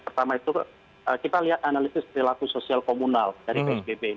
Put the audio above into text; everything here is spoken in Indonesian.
pertama itu kita lihat analisis perilaku sosial komunal dari psbb